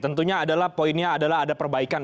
tentunya adalah poinnya adalah ada perbaikan